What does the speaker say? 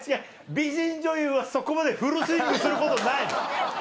美人女優はそこまでフルスイングすることないの。